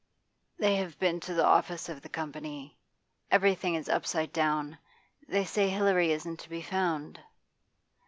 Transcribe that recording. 'They have been to the office of the Company. Everything is upside down. They say Hilary isn't to be found.